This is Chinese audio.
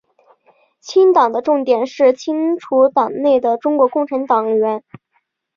清党的重点是清除党内的中国共产党党员。